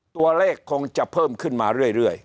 ตัวเลขคงจะเพิ่มขึ้นมาเรื่อย